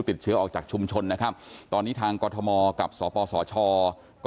โดยชุดตรวจจากทางไทยรัฐกรุ๊ปและภาคเอกชน